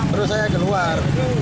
terus saya keluar